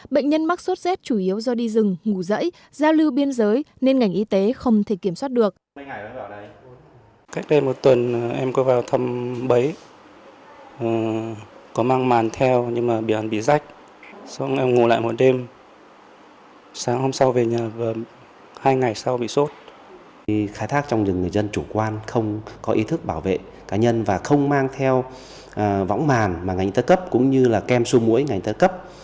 bệnh nhân mắc sốt rét chủ yếu do đi rừng ngủ dậy giao lưu biên giới nên ngành y tế không thể kiểm soát được